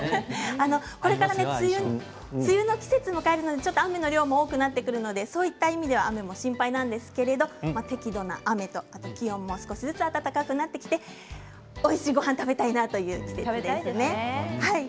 これから梅雨の季節を迎えるので雨の量も多くなってくるのでそういった意味では雨も心配ですが適度な雨と気温も少しずつ暖かくなってきておいしいお米も食べたいですね。